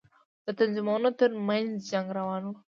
د تنظيمونو تر منځ جنگ روان و.